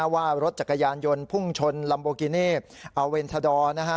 ว่ารถจักรยานยนต์พุ่งชนลัมโบกิเนพอเวนทาดอร์